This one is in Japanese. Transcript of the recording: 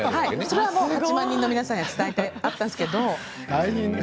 それは８万人の皆さんに伝えてあったんですけれど。